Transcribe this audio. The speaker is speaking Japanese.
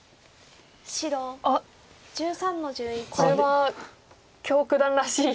あっこれは許九段らしい。